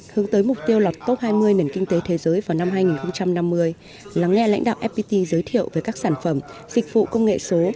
hướng tới mục tiêu lọt top hai mươi nền kinh tế thế giới vào năm hai nghìn năm mươi lắng nghe lãnh đạo fpt giới thiệu về các sản phẩm dịch vụ công nghệ số